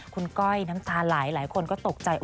คุณก้อยน้ำตาไหลหลายคนก็ตกใจ